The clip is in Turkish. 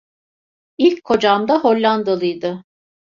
İlk Kocam da Hollandalıydı..